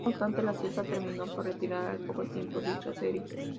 No obstante La Sexta, terminó por retirar, al poco tiempo, dicha serie.